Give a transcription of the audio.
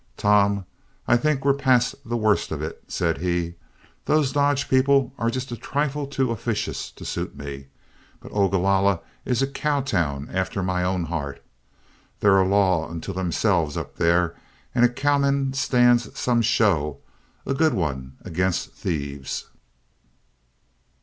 "Tom, I think we're past the worst of it," said he. "Those Dodge people are just a trifle too officious to suit me, but Ogalalla is a cow town after my own heart. They're a law unto themselves up there, and a cowman stands some show a good one against thieves.